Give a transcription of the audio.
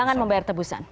jangan membayar tebusan